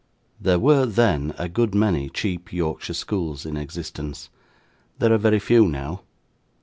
There were, then, a good many cheap Yorkshire schools in existence. There are very few now.